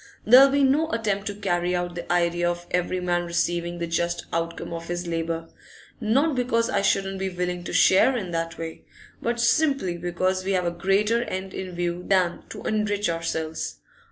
There'll be no attempt to carry out the idea of every man receiving the just outcome of his labour; not because I shouldn't be willing to share in that way, but simply because we have a greater end in view than to enrich ourselves.